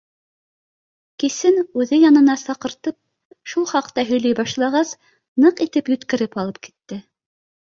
— Кисен үҙе янына саҡыртып шул хаҡта һөйләй башлағас, ныҡ итеп йүткереп алып китте.